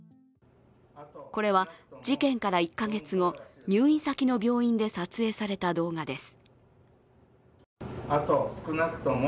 これは事件から１か月後、入院先の病院で撮影された動画です。